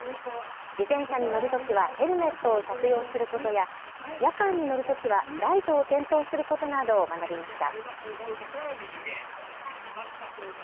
自転車に乗るときはヘルメットを着用することや夜間に乗るときはライトを点灯することなどを学びました。